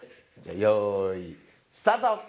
じゃあよいスタート！